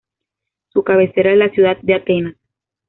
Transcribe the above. Su cabecera es la ciudad de Atenas.